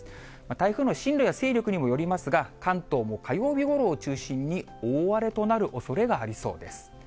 台風の進路や勢力にもよりますが、関東も火曜日ごろを中心に、大荒れとなるおそれがありそうです。